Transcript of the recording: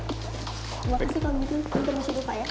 terima kasih pak minta permisi dulu pak ya